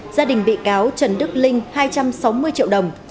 gia đình bị cáo trần đức linh hai trăm sáu mươi triệu đồng